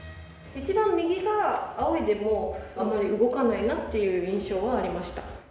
一番右があおいでもあんまり動かないなっていう印象はありました。